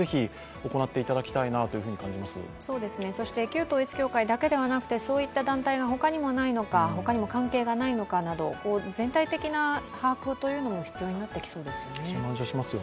旧統一教会だけではなくてそういった団体が他にもないのか他にも関係がないのかなど、全体的な把握というのも必要になってきそうですね。